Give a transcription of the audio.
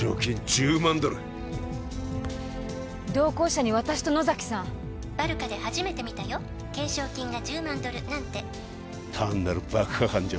１０万ドル同行者に私と野崎さん「バルカで初めて見たよ懸賞金が１０万ドルなんて」単なる爆破犯じゃ